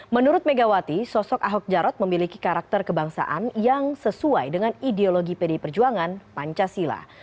menurut megawati sosok ahok jarot memiliki karakter kebangsaan yang sesuai dengan ideologi pdi perjuangan pancasila